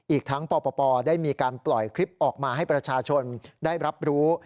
อีกทั้งปปได้มีการปล่อยคลิปออกมาให้ประชาชนได้รับรู้